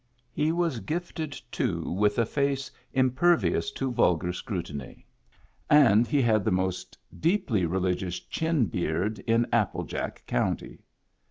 He was gifted, too, with a face impervious to vulgar scrutiny, and he had the most deeply religious chinbeard in Apple jack county.